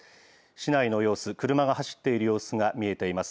市内の様子、車が走っている様子が見えています。